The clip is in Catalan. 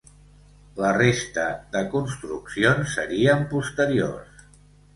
La resta de construccions serien posteriors.